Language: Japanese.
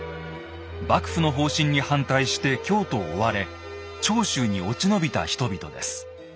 幕府の方針に反対して京都を追われ長州に落ち延びた人々です。